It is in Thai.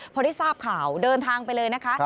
พอได้ทราบข่าวเดินทางไปเลยนะคะ